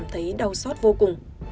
thấy đau xót vô cùng